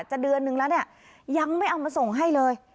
เดือนนึงแล้วเนี่ยยังไม่เอามาส่งให้เลย